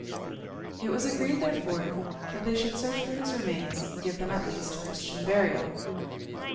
It was agreed, therefore, that they should search for his remains, and give them at least Christian burial.